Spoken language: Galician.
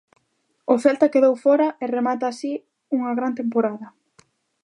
O Celta quedou fóra e remata así unha gran temporada.